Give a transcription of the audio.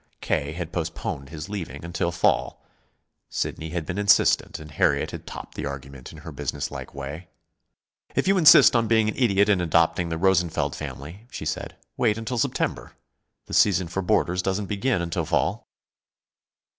K. had postponed his leaving until fall. Sidney had been insistent, and Harriet had topped the argument in her businesslike way. "If you insist on being an idiot and adopting the Rosenfeld family," she said, "wait until September. The season for boarders doesn't begin until fall."